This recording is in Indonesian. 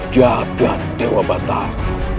jagad dewa batak